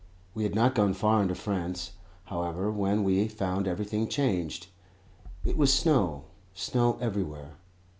We had not got far into France, however, when we found everything changed. It was snow snow everywhere.